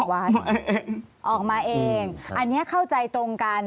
ออกมาเองออกมาเองอันนี้เข้าใจตรงกัน